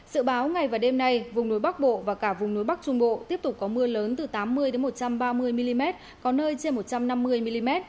sự báo ngày và đêm nay vùng núi bắc bộ và cả vùng núi bắc trung bộ tiếp tục có mưa lớn từ tám mươi một trăm ba mươi mm có nơi trên một trăm năm mươi mm